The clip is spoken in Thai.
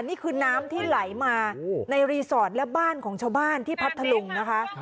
นี่คือน้ำที่ไหลมาในรีสอร์ทและบ้านของชาวบ้านที่พัทธลุงนะคะ